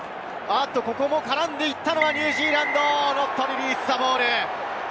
絡んでいったのはニュージーランド、ノットリリースザボール。